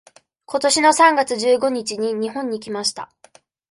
今年の三月十五日に日本に来ました。